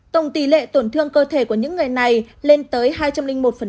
tổng tỷ lệ tổn thương cơ thể của những người này lên tới hai trăm linh một trở lên